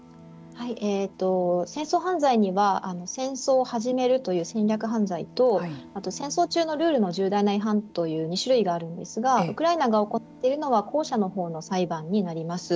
戦争犯罪には戦争を始めるという侵略犯罪と戦争中のルールの重大な違反という２種類があるんですがウクライナが行っているのは後者のほうの裁判になります。